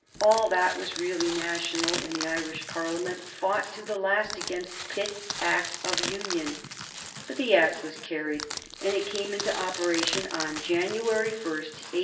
All that was really national in the Irish Parliament fought to the last against Pitt's Act of Union, but the Act was carried, and it came into operation on January 1, 1801.